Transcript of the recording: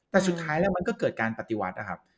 แต่สุดท้ายแล้วมันก็เกิดการปฏิวัตินะครับ